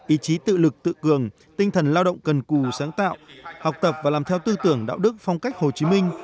ý chí tự lực tự cường tinh thần lao động cần cù sáng tạo học tập và làm theo tư tưởng đạo đức phong cách hồ chí minh